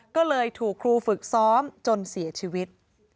ก็เลยถูกครูฝึกซ้อมจนเสียชีวิต